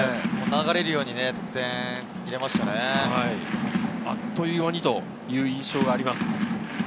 流れるように得点を入れあっという間にという印象があります。